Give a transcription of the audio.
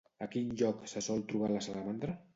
A quin lloc se sol trobar la salamandra?